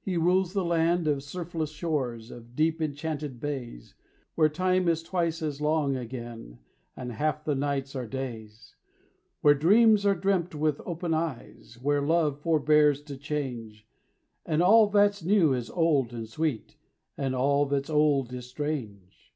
"He rules a land of surfless shores, Of deep enchanted bays; Where time is twice as long again, And half the nights are days; "Where dreams are dreamt with open eyes; Where love forbears to change; And all that's new is old and sweet, And all that's old is strange."